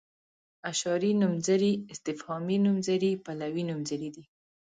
اشاري نومځري استفهامي نومځري پلوي نومځري دي.